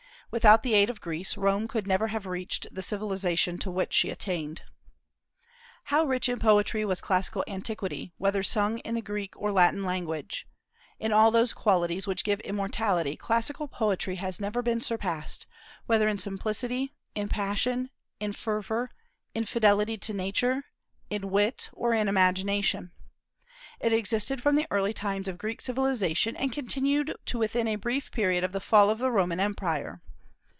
Without the aid of Greece, Rome could never have reached the civilization to which she attained. How rich in poetry was classical antiquity, whether sung in the Greek or Latin language! In all those qualities which give immortality classical poetry has never been surpassed, whether in simplicity, in passion, in fervor, in fidelity to nature, in wit, or in imagination. It existed from the early times of Greek civilization, and continued to within a brief period of the fall of the Roman empire.